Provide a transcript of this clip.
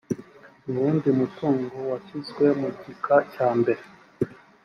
mu wundi mutungo washyizwe mugika cyambere